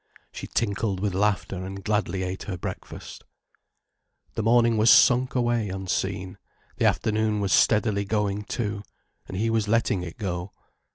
She tinkled with laughter, and gladly ate her breakfast. The morning was sunk away unseen, the afternoon was steadily going too, and he was letting it go.